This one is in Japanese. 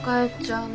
うん。